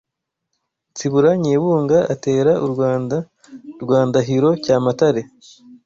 Nsibura Nyebunga atera u Rwanda rwa Ndahiro Cyamatare